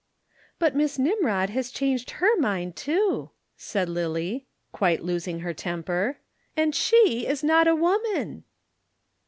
"But Miss Nimrod has changed her mind, too," said Lillie, quite losing her temper. "And she is not a woman."